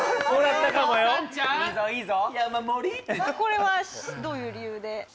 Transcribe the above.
これはどういう理由で？